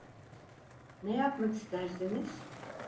Ne yapmak istersiniz?